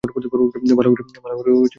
ভালো করে ফোকাস নেয়া হয়েছে।